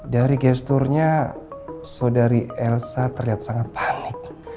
dari gesturnya saudari elsa terlihat sangat panik